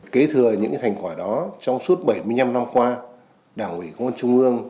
kế thừa những thành quả đó trong suốt bảy mươi năm năm qua đảng ủy công an trung ương